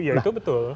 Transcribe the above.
iya itu betul